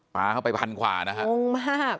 ปลาเข้าไปพันกว่านะฮะงงมาก